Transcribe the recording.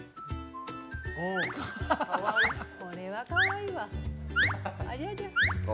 これは、かわいいわ。